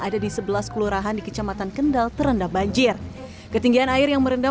ada di sebelas kelurahan di kecamatan kendal terendam banjir ketinggian air yang merendam